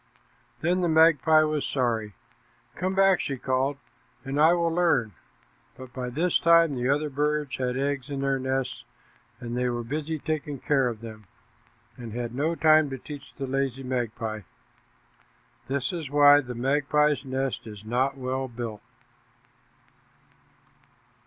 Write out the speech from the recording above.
Then the magpie was sorry. "Come back," she called, "and I will learn." But by this time the other birds had eggs in their nests, and they were busy taking care of them, and had no time to teach the lazy magpie. This is why the magpie's nest is not well built.